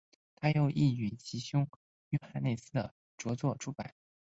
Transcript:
他亦允许其兄约翰内斯的着作出版。